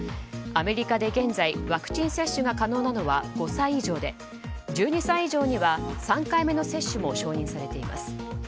アメリカで現在、ワクチン接種が可能なのは５歳以上で１２歳以上には３回目の接種も承認されています。